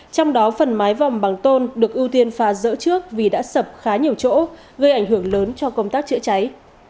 trong đó phần mái vòm bằng tôn được ưu tiên phá rỡ trước vì đã sập khá nhiều chỗ gây ảnh hưởng lớn cho công tác chữa cháy